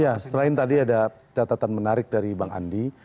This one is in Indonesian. ya selain tadi ada catatan menarik dari bang andi